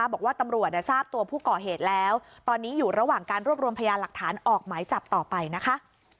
บอกว่าตำรวจทราบตัวผู้ก่อเหตุแล้วตอนนี้อยู่ระหว่างการรวบรวมพยานหลักฐานออกหมายจับต่อไปนะคะ